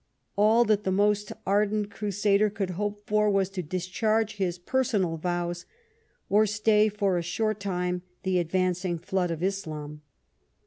A.11 that the most ardent crusader could hope for was to discharge his personal vows or stay for a short time the advancing flood of Islam.